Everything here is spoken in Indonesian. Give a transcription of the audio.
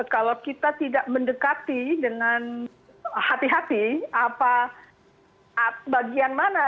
kalau kita tidak mendekati dengan hati hati bagian mana